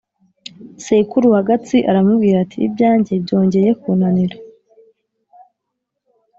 sekuru wa Gatsi aramubwira ati: "Ibyanjye byongeye kunanira